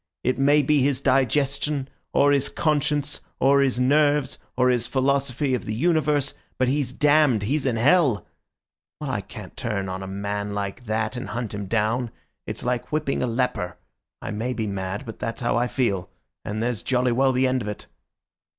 It may be his digestion, or his conscience, or his nerves, or his philosophy of the universe, but he's damned, he's in hell! Well, I can't turn on a man like that, and hunt him down. It's like whipping a leper. I may be mad, but that's how I feel; and there's jolly well the end of it."